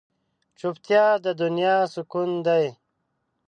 چوپتیا، د دنیا سکون دی.